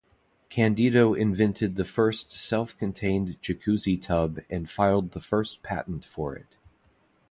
Candido invented the first self-contained Jacuzzi tub and filed the first patent for it.